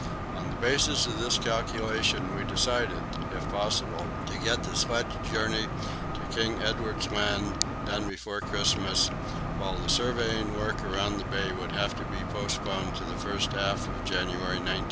On the basis of this calculation we decided, if possible, to get the sledge journey to King Edward Land done before Christmas, while the surveying work around the bay would have to be postponed to the first half of January, 1912.